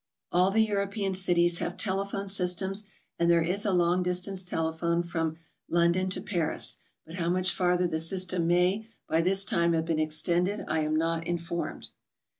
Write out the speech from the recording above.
All the European cities have telephone systems, and there is a long distance telephone from London to Paris, but how much farther the system may by this time have been extended, I am not informed.